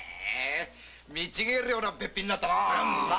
見違えるようなベッピンになったな。